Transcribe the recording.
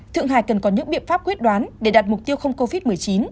thượng hải cần có những biện pháp quyết đoán để đạt mục tiêu không covid một mươi chín